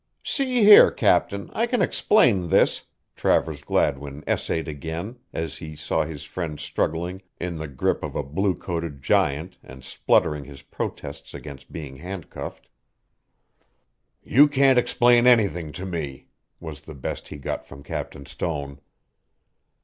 "See here, Captain, I can explain this." Travers Gladwin essayed again, as he saw his friend struggling in the grip of a blue coated giant and spluttering his protests against being handcuffed. "You can't explain anything to me," was the best he got from Captain Stone.